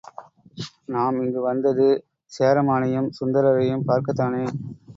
நாம் இங்கு வந்தது சேரமானையும் சுந்தரரையும் பார்க்கத்தானே?